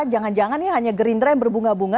jangan jangan ya hanya gerindera yang berbunga bunga